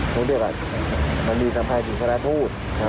เพราะว่ามันมีสัมภัยถึงสถานทูตใช่ไหม